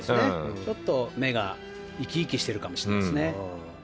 ちょっと芽が生き生きしてるかもしれない。